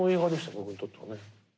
僕にとってはね。